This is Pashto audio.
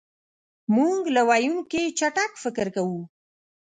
مونږ له ویونکي چټک فکر کوو.